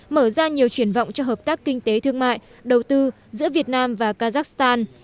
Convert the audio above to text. mở ra nhiều triển vọng cho hợp tác kinh tế thương mại đầu tư giữa việt nam và kazakhstan